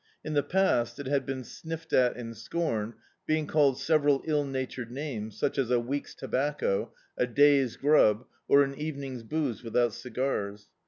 In the past it had been sniffed at and scorned, being called several ill natured names, such as "a week's tobacco," "a day's grub," or "an eve ning's booze without cigars."